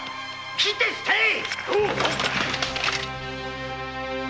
斬って捨てい！